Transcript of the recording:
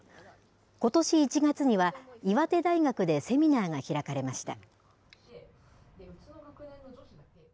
ことし１月には、岩手大学でセミナーが開かれました。